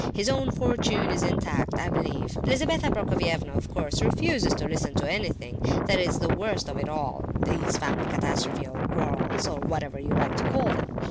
His own fortune is intact, I believe. Lizabetha Prokofievna, of course, refuses to listen to anything. That's the worst of it all, these family catastrophes or quarrels, or whatever you like to call them.